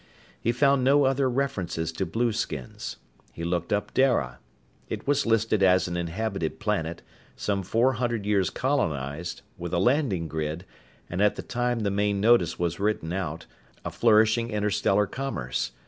He found no other reference to blueskins. He looked up Dara. It was listed as an inhabited planet, some four hundred years colonized, with a landing grid and, at the time the main notice was written out, a flourishing interstellar commerce.